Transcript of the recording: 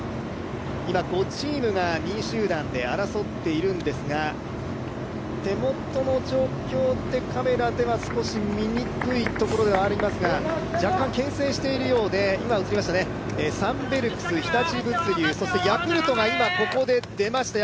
今、５チームが２位集団で争っているんですが、手元の状況、カメラでは見にくいところではありますが若干けん制しているようで、サンベルクス、日立物流、そして、ヤクルトが今、ここで出ました